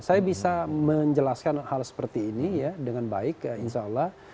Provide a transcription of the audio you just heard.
saya bisa menjelaskan hal seperti ini ya dengan baik insya allah